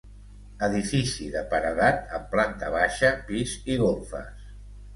Edifici de paredat amb planta baixa, pis i golfes.